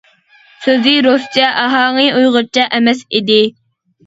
سۆزى رۇسچە ئاھاڭى ئۇيغۇرچە ئەمەس ئىدى.